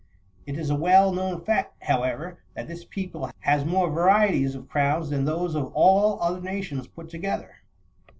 It is a well known fact, however, that this people has more varieties of crowns than those of all other nations put together.